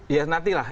ya nanti lah